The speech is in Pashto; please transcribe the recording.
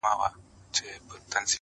د ګنجي په ژبه بل ګنجی پوهېږي،